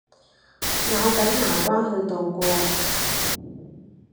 咬緊牙關去渡過